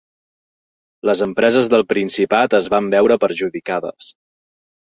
Les empreses del Principat es van veure perjudicades.